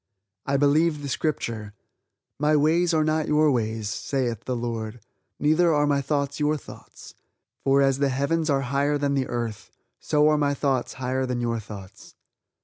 I believe the Scripture: "My ways are not your ways, saith the Lord; neither are my thoughts your thoughts, for as the heavens are higher than the earth, so are my thoughts higher than your thoughts."